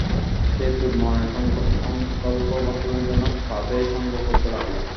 সে তার মনের সংকল্প বাস্তবায়নের জন্য পাথেয় সংগ্রহ করতে লাগল।